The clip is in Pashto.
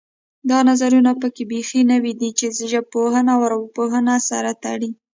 دا نظرونه پکې بیخي نوي دي چې ژبپوهنه او ارواپوهنه سره تړي